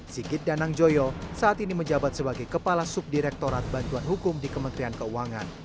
sikit danangjoyo saat ini menjabat sebagai kepala subdirektorat bantuan hukum di kementerian keuangan